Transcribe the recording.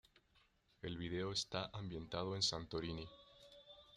El vídeo está ambientado en Santorini.